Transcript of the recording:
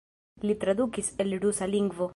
Li tradukis el rusa lingvo.